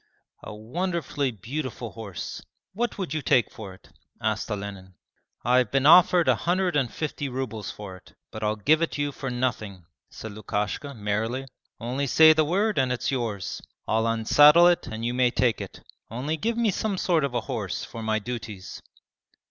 'A wonderfully beautiful horse! What would you take for it?' asked Olenin. 'I have been offered a hundred and fifty rubles for it, but I'll give it you for nothing,' said Lukashka, merrily. 'Only say the word and it's yours. I'll unsaddle it and you may take it. Only give me some sort of a horse for my duties.'